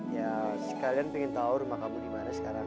ya kalian pengen tahu rumah kamu dimana sekarang